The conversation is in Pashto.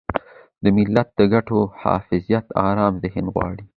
د ملت د ګټو حفاظت ارام ذهن غواړي.